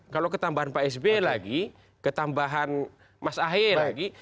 kalau ketambahan pak s b lagi ketambahan mas ayah lagi